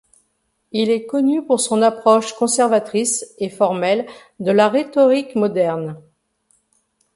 Il est connu pour son approche conservatrice et formelle de la rhétorique moderne.